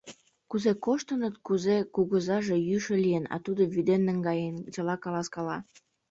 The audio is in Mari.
Кузе коштыныт, кузе кугызаже йӱшӧ лийын, а тудо вӱден наҥгаен — чыла каласкала.